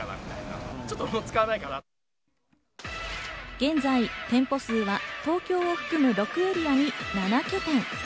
現在、店舗数は東京を含む６エリアに７拠点。